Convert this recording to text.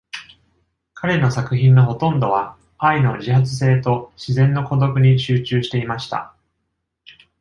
彼の作品のほとんどは愛の自発性と自然の孤独に集中していました。